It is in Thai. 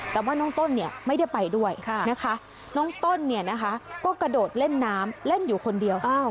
แต่ว่าน้องต้นเนี่ยไม่ได้ไปด้วยนะคะน้องต้นเนี่ยนะคะก็กระโดดเล่นน้ำเล่นอยู่คนเดียว